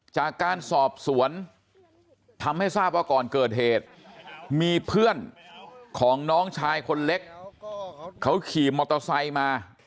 จากการสอบสวนทำให้ทราบว่าก่อนเกิดเหตุมีเพื่อนของน้องชายคนเล็กเขาขี่มอเตอร์ไซค์มา